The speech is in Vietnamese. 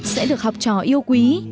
sẽ được học trò yêu quý